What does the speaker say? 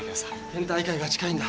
県大会が近いんだ。